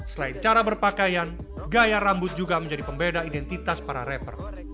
selain cara berpakaian gaya rambut juga menjadi pembeda identitas para rapper